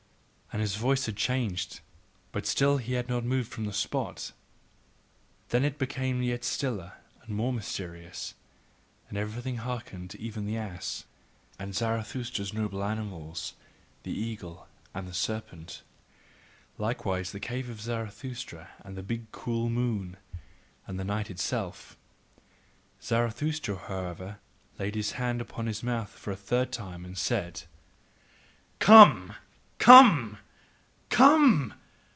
and his voice had changed. But still he had not moved from the spot. Then it became yet stiller and more mysterious, and everything hearkened, even the ass, and Zarathustra's noble animals, the eagle and the serpent, likewise the cave of Zarathustra and the big cool moon, and the night itself. Zarathustra, however, laid his hand upon his mouth for the third time, and said: COME! COME!